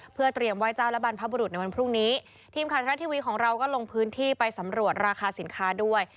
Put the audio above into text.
เพื่อเตรียมไหว้เจ้าและบรรพบุรุษในวันพรุ่งนี้ทีมข่าวทรัฐทีวีของเราก็ลงพื้นที่ไปสำรวจราคาสินค้าด้วย